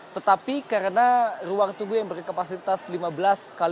tetapi karena ruang tunggu yang berkapasitas lima belas x dua